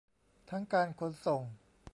ทั้งการขนส่ง